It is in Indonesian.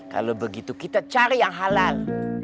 kalau begitu kita cari yang halal